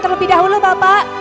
terlebih dahulu bapak